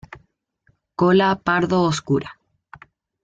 Cola pardo oscura.